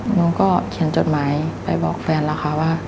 หนูก็เขียนจดหมายไปบอกแฟนแล้วค่ะว่า